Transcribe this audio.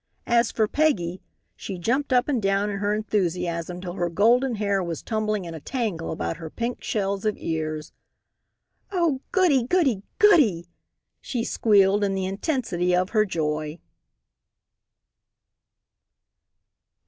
As for Peggy, she jumped up and down in her enthusiasm till her golden hair was tumbling in a tangle about her pink shells of ears. "Oh, goody! goody! goody!" she squealed in the intensity of her joy.